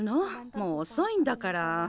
もうおそいんだから。